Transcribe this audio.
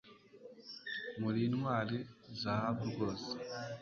Muri Intwari Zahabu rwose